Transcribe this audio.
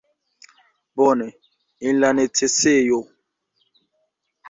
Bone, en la necesejo.